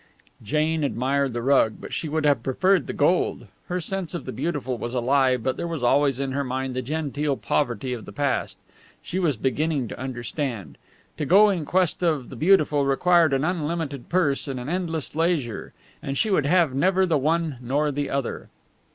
Jane admired the rug, but she would have preferred the gold. Her sense of the beautiful was alive, but there was always in her mind the genteel poverty of the past. She was beginning to understand. To go in quest of the beautiful required an unlimited purse and an endless leisure; and she would have never the one nor the other.